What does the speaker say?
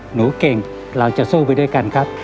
หนูเก่งเราจะสู้ไปด้วยกันครับ